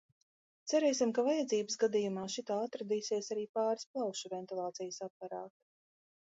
Cerēsim, ka vajadzības gadījumā šitā atradīsies arī pāris plaušu ventilācijas aparāti.